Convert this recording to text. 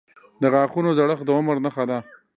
• د غاښونو زړښت د عمر نښه ده.